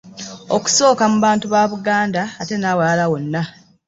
Okusooka mu bantu ba Buganda ate n'awalala wonna.